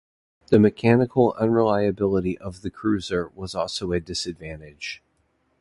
The mechanical unreliability of the Cruiser was also a disadvantage.